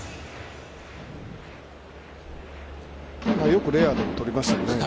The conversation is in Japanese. よくレアードもとりましたよね。